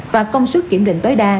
và công suất kiểm định tối đa